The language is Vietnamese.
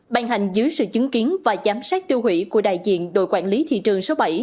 bàn hành dưới sự chứng kiến và giám sát tiêu hủy của đại diện đội quản lý thị trường số bảy